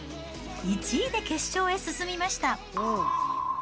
１位で決勝へ進みました。